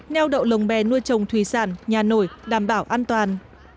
neo đậu lồng bè nuôi trồng thủy sản nhà nổi đảm bảo an toàn